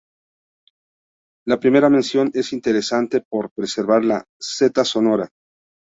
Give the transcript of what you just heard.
La primera mención es interesante por preservar la "-z-" sonora.